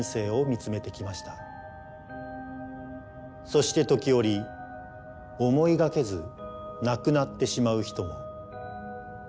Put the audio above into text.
そして時折思いがけず亡くなってしまう人も。